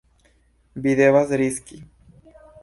Vi devas riski.